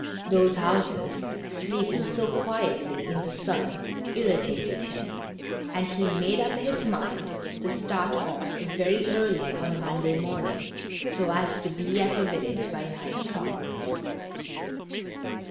Those houses, sleeping so quietly in the sun, irritated him, and he made up his mind to start off very early on Monday morning, so as to be at the village by nine o'clock.